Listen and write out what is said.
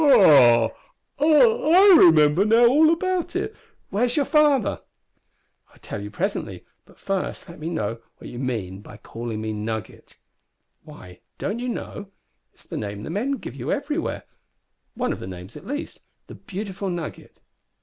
"Oh! I remember now all about it. Where is your father?" "I will tell you presently, but first let me know what you mean by calling me Nugget." "Why, don't you know? It's the name the men give you everywhere one of the names at least the Beautiful Nugget."